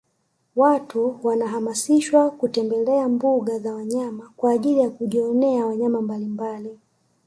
Watu wanahamasishwa kutembelea mbuga za wanyama kwaajili ya kujionea wanyama mbalimbali